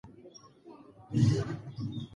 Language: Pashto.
که خویندې مسلکي زده کړې وکړي نو بې هنره به نه وي.